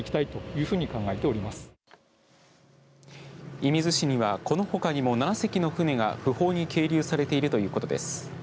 射水市にはこのほかにも７隻の船が不法に係留されているということです。